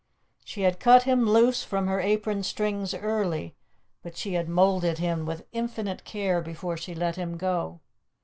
She had cut him loose from her apron strings early, but she had moulded him with infinite care before she let him go.